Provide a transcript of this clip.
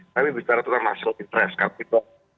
tapi bicara tentang national interest